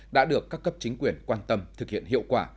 đã được các cấp chính quyền quan tâm thực hiện hiệu quả